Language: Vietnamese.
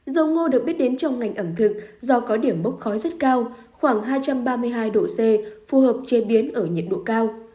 dầu ngô được biết đến trong ngành ẩm thực do có điểm bốc khói rất cao khoảng hai trăm ba mươi hai độ c phù hợp chế biến ở nhiệt độ cao